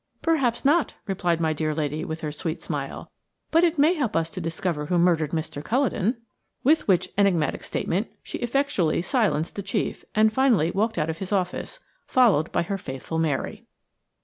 "Perhaps not," replied my dear lady, with her sweet smile; "but it may help us to discover who murdered Mr. Culledon." With which enigmatical statement she effectually silenced the chief, and finally walked out of his office, followed by her faithful Mary.